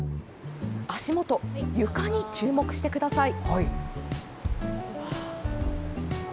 足元、床に注目してください。